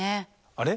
あれ？